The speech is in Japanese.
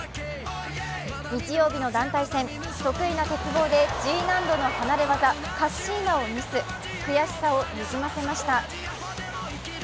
日曜日の団体戦、得意な鉄棒でＧ難度の離れ技・カッシーナをミス、悔しさをにじませました。